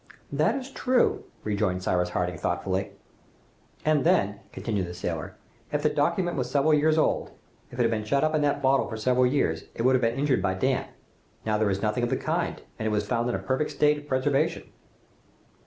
"That is true," rejoined Cyrus Harding thoughtfully. "And then," continued the sailor, "if the document was several years old, if it had been shut up in that bottle for several years, it would have been injured by damp. Now, there is nothing of the kind, and it was found in a perfect state of preservation."